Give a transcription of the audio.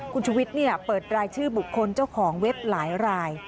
คุณชุวิตเปิดรายชื่อบุคคลเจ้าของเว็บหลายราย